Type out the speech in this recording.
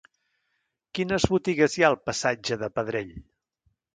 Quines botigues hi ha al passatge de Pedrell?